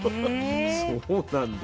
そうなんだ。